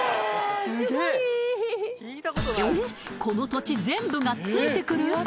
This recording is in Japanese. この土地全部が付いてくる？